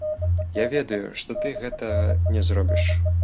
Я ведаю, што ты гэтага не зробіш.